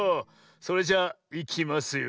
それじゃあいきますよ。